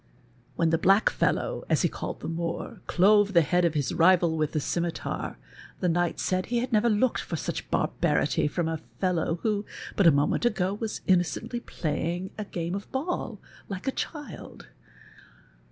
AViicn the black fellow, as he called the Moor, clove tiie head of his rival with the scimitar, the knight said he had never looked for such barbarity from a fellow who, but a moment ago, was iiuiocently play ing a game of l)all, like a child.